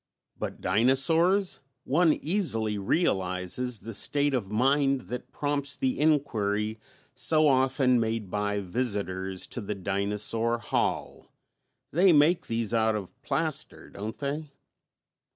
But dinosaurs one easily realizes the state of mind that prompts the inquiry so often made by visitors to the Dinosaur Hall: "they make these out of plaster, don't they?"